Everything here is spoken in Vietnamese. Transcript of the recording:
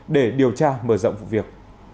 để điều tra mở rộng vụ việc